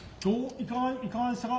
いかがでしたか？